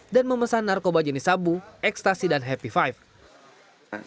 dan memesan narkoba jenis sabu ekstasi dan happy five